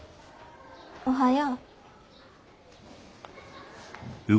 おはよう。